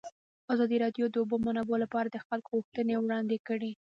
ازادي راډیو د د اوبو منابع لپاره د خلکو غوښتنې وړاندې کړي.